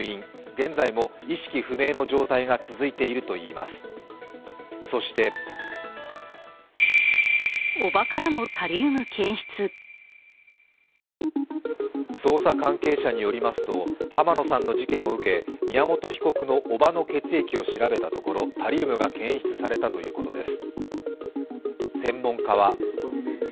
現在も意識不明の状態が続いているといいます、そして捜査関係者によりますと濱野さんの事件を受け宮本被告の叔母の血液を調べたところタリウムが検出されたということです。